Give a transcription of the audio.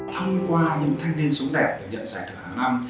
thông qua những thanh niên sống đẹp được nhận giải thưởng hàng năm